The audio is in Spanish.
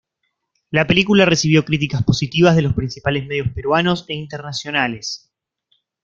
La película recibió críticas positivas de los principales medios peruanos e internacionales.